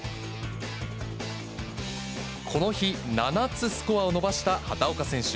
この日、７つスコアを伸ばした畑岡選手。